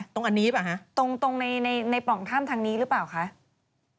ตรงนี้หรือเปล่าคะตรงในป่องถ้ำทางนี้หรือเปล่าคะ